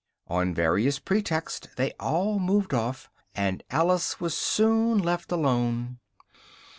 On various pretexts, they all moved off, and Alice was soon left alone.